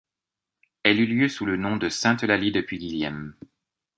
Elle eut lieu sous le nom de Sainte-Eulalie-de-Puyguilhem.